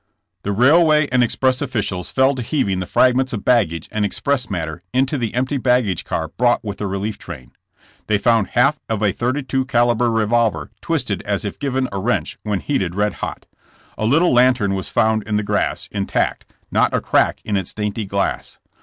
The railway and express officials fell to heaving the fragments of baggage and express matter into the empty baggage car brought with the relief train. They found half of a 32 caliber revolver twisted as if given a wrench when heated redhot. A little lantern was found in the grass, intact, not a crack in its dainty glass.